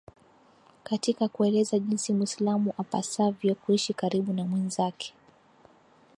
katika kueleza jinsi Mwislamu apasavyo kuishi karibu na mwenzake